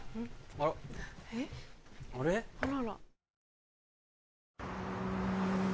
あらら。